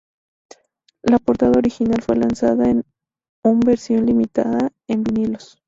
La portada original fue lanzada en un versión limitada en vinilos.